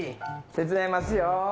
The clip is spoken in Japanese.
手伝いますよ。